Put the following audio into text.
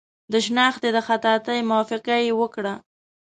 د شنختې د خطاطۍ موافقه یې وکړه.